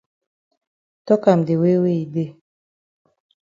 Tok am de way wey e dey.